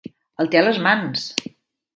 El té a les mans.